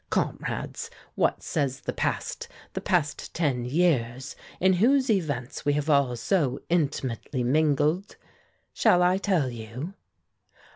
Comrades, what says the past, the past ten years, in whose events we have all so intimately mingled? Shall I tell you?"